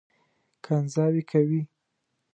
کنځاوې کوي.